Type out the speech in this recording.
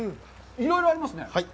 いろいろありますね。